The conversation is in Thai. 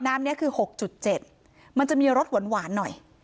มันจะมีรสหวานหน่อย